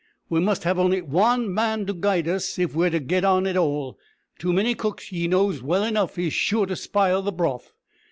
We must have only wan man to guide us if we are to get on at all. Too many cooks, ye knows well enough, is sure to spile the broth.